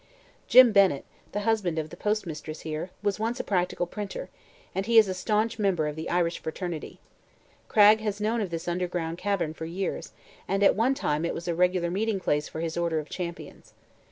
Jim Bennett, the husband of the postmistress here, was once a practical printer, and he is a staunch member of the Irish fraternity. Cragg has known of this underground cavern for years, and at one time it was a regular meeting place for his order of Champions.